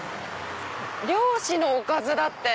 「漁師のおかず」だって！